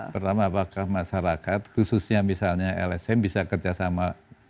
pertama apakah masyarakat khususnya misalnya lsm bisa kerjasama